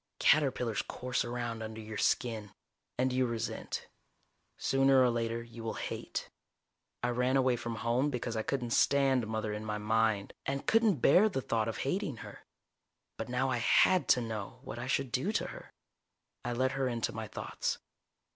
Caterpillars course around under your skin. And you resent. Sooner or later you will hate. I ran away from home because I couldn't stand Mother in my mind, and couldn't bear the thought of hating her. But now I had to know what I should do to her. I let her into my thoughts.